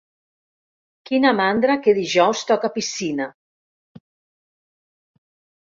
Quina mandra que dijous toca piscina.